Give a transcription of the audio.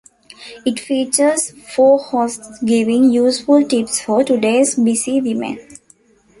It features four hosts giving useful tip's for today's busy women.